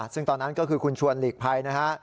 ซึ่งตอนนั้นก็คือคุณชวนหลีกภัยนะฮะ